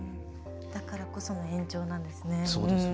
だからこその延長なんですね。